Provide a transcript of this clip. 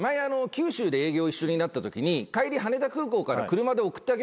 九州で営業一緒になったときに帰り羽田空港から車で送ってあげます